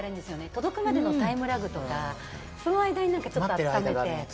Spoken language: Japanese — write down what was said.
届くまでのタイムラグとか、その間に温めて。